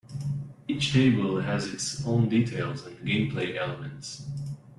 Each table has its own details and gameplay elements.